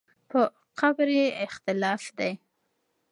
په قبر یې اختلاف دی.